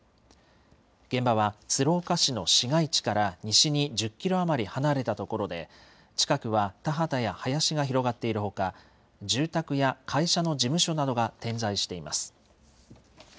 現場は鶴岡市の市街地から西に１０キロ余り離れた所で、近くは田畑や林が広がっているほか、住宅や会社の事務所などが点在しています。